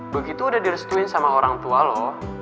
begitu udah diresetuin sama orang tua lo